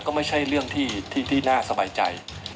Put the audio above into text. ก็ไม่ใช่เรื่องที่น่าสบายใจ